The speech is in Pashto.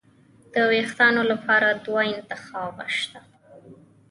د وېښتانو لپاره دوه انتخابه شته.